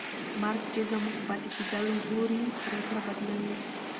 مرګ چې زموږ پاتې کېدل وګوري، پرېکړه بدلوي.